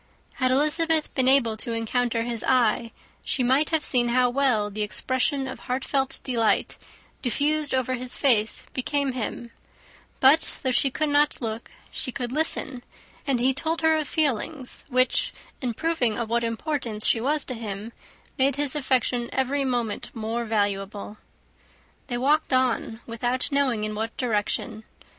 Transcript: Had Elizabeth been able to encounter his eyes, she might have seen how well the expression of heartfelt delight diffused over his face became him: but though she could not look she could listen; and he told her of feelings which, in proving of what importance she was to him, made his affection every moment more valuable. They walked on without knowing in what direction.